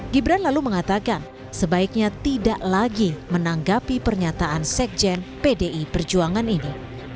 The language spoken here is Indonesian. gibran lalu mengatakan sebaiknya tidak lagi menanggapi pernyataan sekjen pdi perjuangan ini